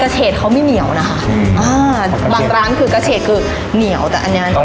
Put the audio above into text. เฉดเขาไม่เหนียวนะคะอืมอ่าบางร้านคือกระเฉดคือเหนียวแต่อันเนี้ย